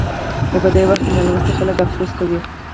نو په دې وخت کې نالوستي خلک افسوس کوي.